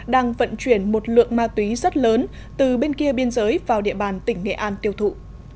đang vận chuyển một lượng ma túy rất lớn từ bên kia biên giới vào địa bàn tỉnh nghệ an tiêu thụ